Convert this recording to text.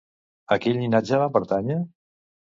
A quin llinatge va pertànyer?